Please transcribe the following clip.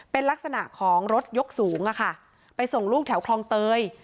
เป็นลักษณะของรถยกสูงอะค่ะไปส่งลูกแถวคลองเตย